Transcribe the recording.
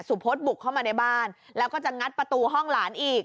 พศบุกเข้ามาในบ้านแล้วก็จะงัดประตูห้องหลานอีก